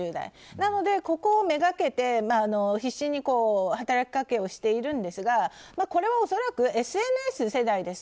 なので、ここをめがけて必死に働きかけをしているんですがこれは恐らくＳＮＳ世代です。